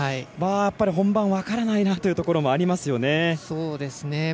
本番は分からないなというところはありますよね。